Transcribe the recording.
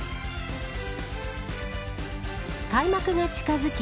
開幕が近づき